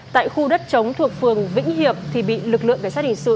tại khu đất chống thuộc phường vĩnh hiệp thì bị lực lượng cảnh sát hình sự